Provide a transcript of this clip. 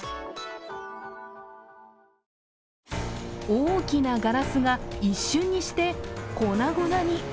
大きなガラスが一瞬にして粉々に。